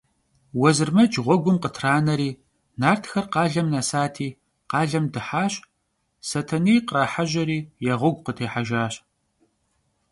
Vuezırmec ğuegum khıtraneri, nartxer khalem nesati, khalem dıhaş, Setenêy khrahejeri, ya ğuegu khıtêhejjaş.